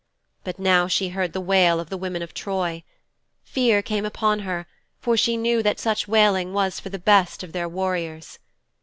But now she heard the wail of the women of Troy. Fear came upon her, for she knew that such wailing was for the best of their warriors.'